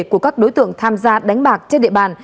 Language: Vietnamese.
của các đối tượng tham gia đánh bạc trên địa bàn